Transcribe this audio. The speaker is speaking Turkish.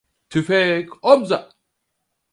Tüfek omza!